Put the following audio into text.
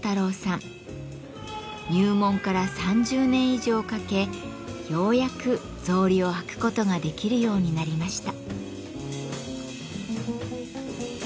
入門から３０年以上かけようやく草履を履くことができるようになりました。